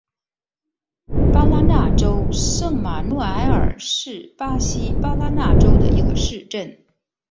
巴拉那州圣马诺埃尔是巴西巴拉那州的一个市镇。